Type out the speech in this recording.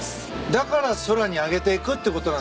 だから空に上げていくってことなんですね。